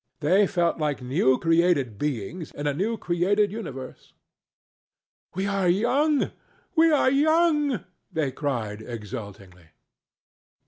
They felt like new created beings in a new created universe. "We are young! We are young!" they cried, exultingly.